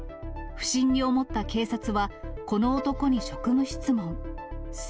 不審に思った警察は、この男に職務質問。